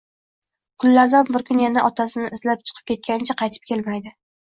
Kunlardan bir kuni yana otasini izlab chiqib ketgancha qaytib kelmaydi...